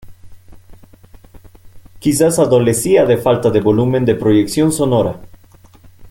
Quizás adolecía de falta de volumen de proyección sonora.